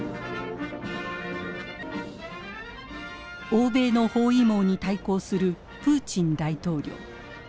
欧米の包囲網に対抗するプーチン大統領。